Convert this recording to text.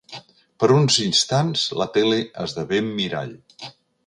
Per uns instants la tele esdevé mirall.